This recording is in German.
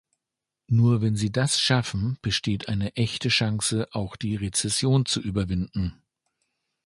Nur wenn sie das schaffen, besteht eine echte Chance, auch die Rezession zu überwinden.